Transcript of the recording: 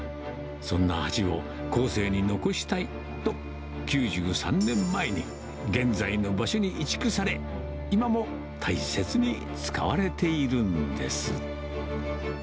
そんな橋を後世に残したいと、９３年前に現在の場所に移築され、今も大切に使われているんです。